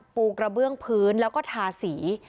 ปูกระเบื้องพื้นแล้วก็ทาสี